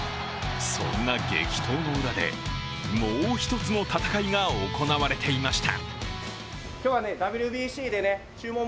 そんな激闘の裏で、もう一つの戦いが行われていました。